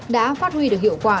đã phát huy được hiệu quả